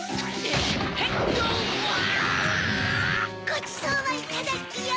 ごちそうはいただきよ！